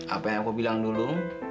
apa yang aku bilang dulu